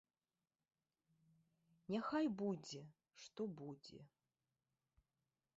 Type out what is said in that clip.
Няхай будзе, што будзе.